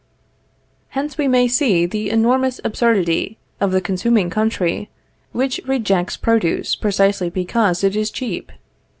Hence we may see the enormous absurdity of the consuming country, which rejects produce precisely because it is cheap.